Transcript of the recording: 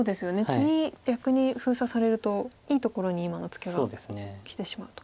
次逆に封鎖されるといいところに今のツケがきてしまうと。